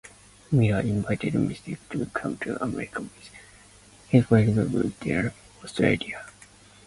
Miller invited Meeske to come to America with him when he departed Australia.